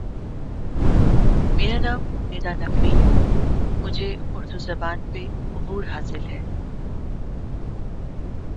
Initially plans called for a transporter bridge further downstream near New Farm.